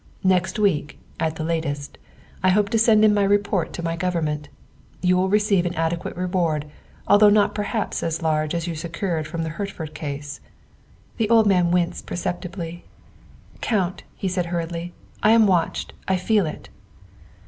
Next week, at the latest, I hope to send in my report to my Government. You will receive an adequate reward, although not perhaps as large as you secured from the Hertford case." The old man winced perceptibly. " Count," he said hurriedly, " I am watched. I feel it."